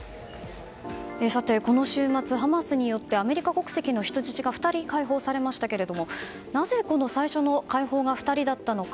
この週末、ハマスによってアメリカ国籍の人質が２人解放されましたがなぜ、この最初の解放が２人だったのか。